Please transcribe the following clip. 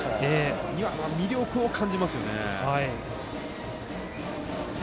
これには魅力を感じますよね。